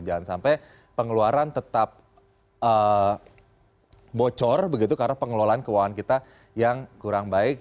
jangan sampai pengeluaran tetap bocor begitu karena pengelolaan keuangan kita yang kurang baik